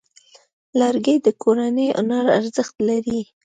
لرګی د کورني هنر ارزښت لري.